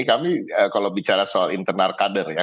kami kalau bicara soal internal kader ya